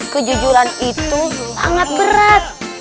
kejujuran itu sangat berat